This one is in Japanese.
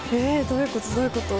どういうこと？